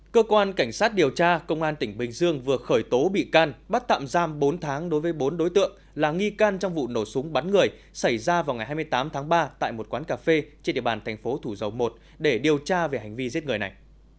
cơ quan cảnh sát điều tra công an tỉnh bình dương vừa khởi tố bị can bắt tạm giam bốn tháng đối với bốn đối tượng là nghi can trong vụ nổ súng bắn người xảy ra vào ngày hai mươi tám tháng ba tại một quán cà phê trên địa bàn thành phố thủ dầu một để điều tra về hành vi giết người này